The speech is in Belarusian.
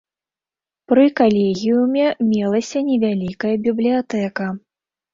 Пры калегіуме мелася невялікая бібліятэка.